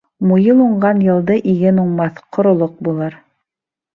Муйыл уңған йылды иген уңмаҫ, ҡоролоҡ булыр.